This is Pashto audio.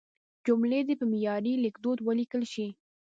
جملې دې په معیاري لیکدود ولیکل شي.